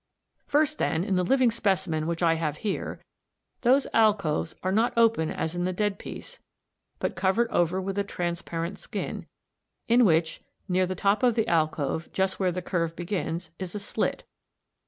] First, then, in the living specimen which I have here, those alcoves are not open as in the dead piece, but covered over with a transparent skin, in which, near the top of the alcove just where the curve begins, is a slit (s 2, Fig.